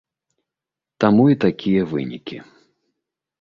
Таму і такія вынікі.